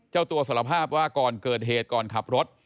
เจ้าตัวสารภาพว่าก่อนเกิดเหตุก่อนขับรถ